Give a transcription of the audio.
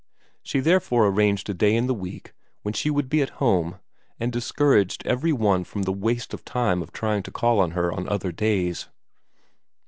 She therefore arranged a day in the week when she would be at home, and dis couraged every one from the waste of time of trying to call on her on other days.